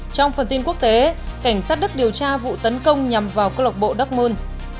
trong phần tin quốc tế cảnh sát đức điều tra vụ tấn công nhằm vào cơ lộc bộ dowmon